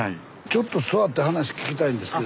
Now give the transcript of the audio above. ちょっと座って話聞きたいんですけどいいですか？